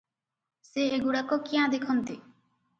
ସେ ଏଗୁଡ଼ାକ କିଆଁ ଦେଖନ୍ତେ?